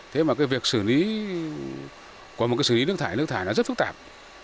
thế mà cái việc xử lý có một cái xử lý nước thải nước thải nó rất phức tạp